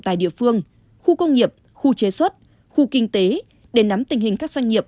tại địa phương khu công nghiệp khu chế xuất khu kinh tế để nắm tình hình các doanh nghiệp